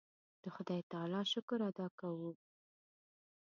د خدای تعالی شکر ادا کوو.